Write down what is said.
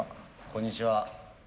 こんにちは。